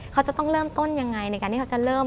เขาจะต้องเริ่มต้นยังไงในการที่เขาจะเริ่ม